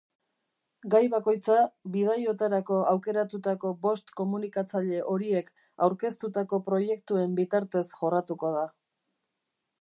Gai bakoitza bidaiotarako aukeratutako bost komunikatzaile horiek aurkeztutako proiektuen bitartez jorratuko da.